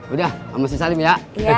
udah sama si salim ya